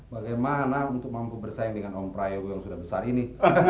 bagaimana untuk mampu bersaing dengan om prayogo yang sudah besar ini